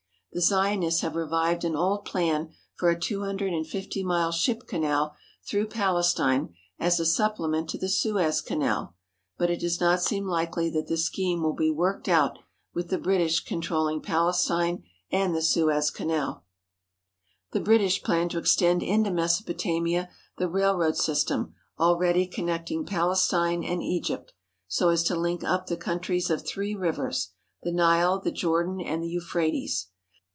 The Zionists have revived an old plan for a two hundred and fifty mile ship canal through Palestine as a supple ment to the Suez Canal, but it does not seem likely that this scheme will be worked out with the British control ling Palestine and the Suez Canal. The British plan to extend into Mesopotamia the railroad system already connecting Palestine and Egypt, so as to link up the countries of three rivers, the Nile, the Jordan, and the Euphrates.